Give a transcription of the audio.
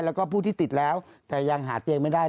แล้วก็ผู้ที่ติดแล้วแต่ยังหาเตียงไม่ได้